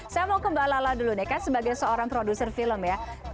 saya mau ke mbak lala dulu deh kan sebagai seorang produser film ya